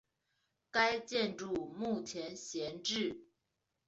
该建筑目前闲置。